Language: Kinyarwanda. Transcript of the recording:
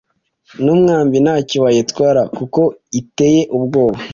n umwambi nta cyo wayitwara kuko iteye ubwoba